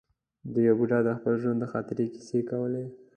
یو بوډا د خپل ژوند د خاطرې کیسې کولې.